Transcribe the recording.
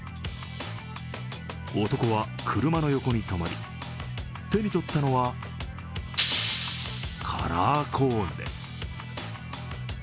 男は車の横に止まり、手に取ったのはカラーコーンです。